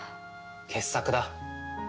傑作だ。